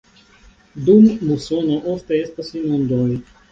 Dum musono ofte estas inundoj.